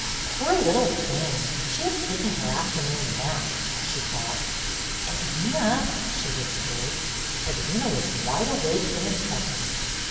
"Poor little thing, she is taking her after noon nap," she thought. "Edwyna!" she whispered. Edwyna was wide awake in a second.